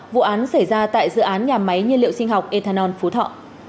vụ án xảy ra tại dự án nhà máy nhiên liệu sinh học ethanol phú thọ